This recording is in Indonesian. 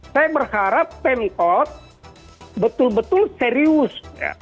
saya berharap pemkot betul betul serius